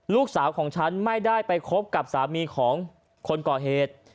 ลูกสาวของฉันไม่ได้ไปคบกับสามีของคนก่อเหตุ